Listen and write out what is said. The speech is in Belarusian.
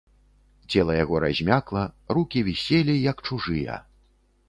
Цела яго размякла, рукі віселі, як чужыя.